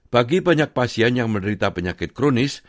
bagi banyak pasien yang menderita penyakit kronis